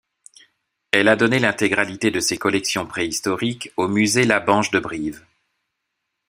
Il a donné l’intégralité de ses collections préhistoriques au musée Labenche de Brive.